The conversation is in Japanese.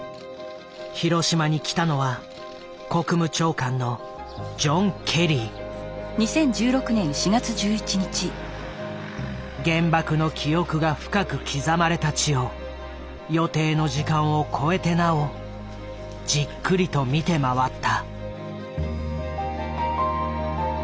広島に来たのは原爆の記憶が深く刻まれた地を予定の時間を超えてなおじっくりと見て回った。